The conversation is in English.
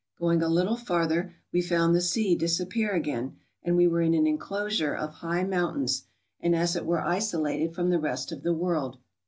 Going a little further, we found the sea disappear again, and we were in an enclosure of high moun¬ tains, and as it were isolated from the rest of the world.